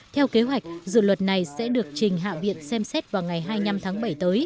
theo kế hoạch dự luật này sẽ được trình hạ viện xem xét vào ngày hai